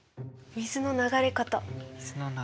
水の流れ方。